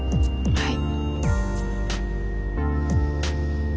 はい。